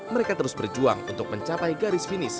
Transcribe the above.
mereka terus berjuang untuk mencapai garis finish